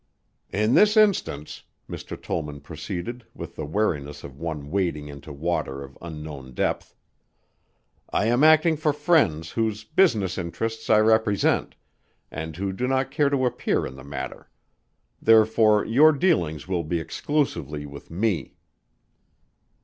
"In this instance," Mr. Tollman proceeded with the wariness of one wading into water of unknown depth, "I am acting for friends whose business interests I represent, and who do not care to appear in the matter. Therefore your dealings will be exclusively with me."